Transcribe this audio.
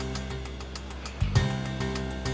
aku harus ngelakuin apa apa